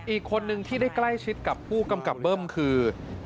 อีกคนนึงที่ได้ใกล้ชิดกับผู้กำกับเบิ้มคือ